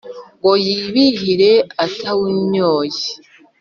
Ngo yibihire atawumyora!